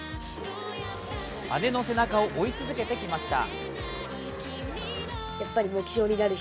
姉の背中を追い続けてきました。